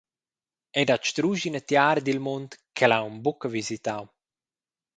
Ei dat strusch ina tiara dil mund ch’el ha aunc buca visitau.